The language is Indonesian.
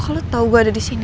kok lo tau gue ada disini